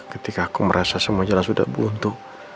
ketika aku merasa semua jalan sudah buntu